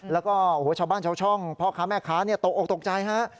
แล้วก็ชาวบ้านชาวช่องพ่อค้าแม่ค้าตกออกตกใจฮะ